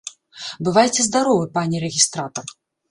Бывайце здаровы, пане рэгістратар!